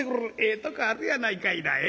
ええとこあるやないかいな。